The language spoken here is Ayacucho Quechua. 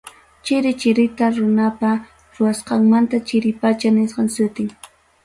Chiri chirita runapa ruwasqantam chiri pacha nisqan sutin.